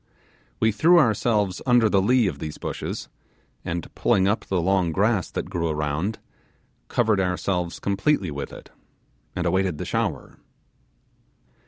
We threw ourselves under the lee of these bushes, and pulling up the long grass that grew around, covered ourselves completely with it, and awaited the shower.